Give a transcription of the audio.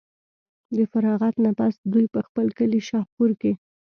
د فراغت نه پس دوي پۀ خپل کلي شاهپور کښې